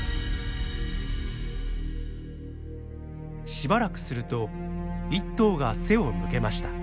しばらくすると１頭が背を向けました。